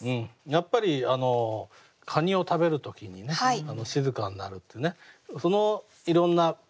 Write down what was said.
やっぱりカニを食べる時に静かになるってねそのいろんな比喩をね